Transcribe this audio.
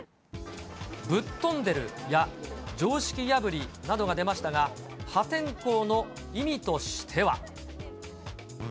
ぶっ飛んでるや、常識破りなどが出ましたが、破天荒の意味としては。